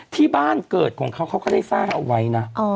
ที่บ้านเกิดของเขาเขาก็ได้สร้างเอาไว้นะ